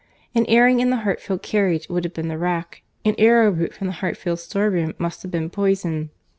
An airing in the Hartfield carriage would have been the rack, and arrowroot from the Hartfield storeroom must have been poison.